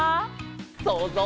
そうぞう。